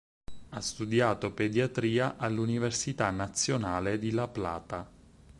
Ha studiato pediatria all'Università Nazionale di La Plata.